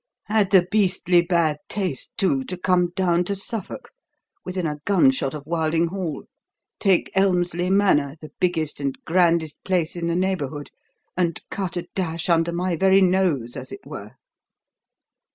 Had the beastly bad taste, too, to come down to Suffolk within a gunshot of Wilding Hall take Elmslie Manor, the biggest and grandest place in the neighbourhood, and cut a dash under my very nose, as it were."